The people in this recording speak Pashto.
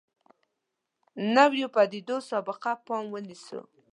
نویو پدیدو سابقه پام ونیسو.